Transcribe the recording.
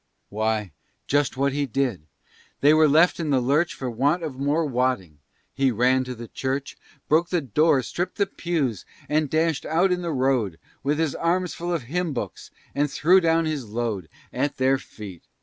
Why, just what he did! They were left in the lurch For the want of more wadding. He ran to the church, Broke the door, stripped the pews, and dashed out in the road With his arms full of hymn books and threw down his load At their feet!